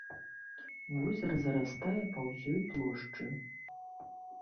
Возера зарастае па ўсёй плошчы.